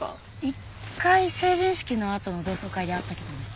一回成人式のあとの同窓会で会ったけどね。